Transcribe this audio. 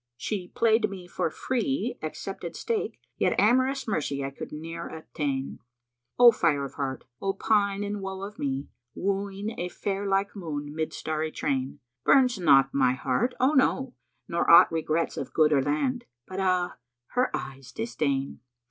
She playčd me for free accepted stake * Yet amorous mercy I could ne'er obtain: O fire of heart, O pine and woe of me, * Wooing a fair like moon mid starry train: Burns not my heart O no! nor aught regrets * Of good or land, but ah! her eyes' disdain!